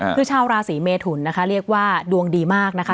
คือชาวราศีเมทุนนะคะเรียกว่าดวงดีมากนะคะ